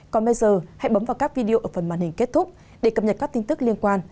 còn bây giờ hãy bấm vào các video ở phần màn hình kết thúc để cập nhật các tin tức liên quan